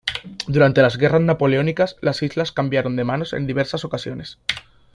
Durante las Guerras Napoleónicas las islas cambiaron de manos en diversas ocasiones.